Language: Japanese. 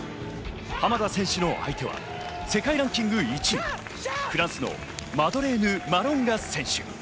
浜田選手の相手は世界ランキング１位、フランスのマドレーヌ・マロンガ選手。